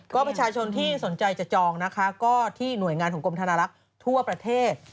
ก็ประชาชนที่สนใจจะจองนะคะก็ที่หน่วยงานของกรมธนารักษ์ทั่วประเทศ